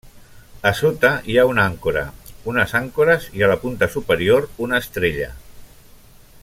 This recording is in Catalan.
A sota hi ha una àncora; unes àncores i a la punta superior una estrella.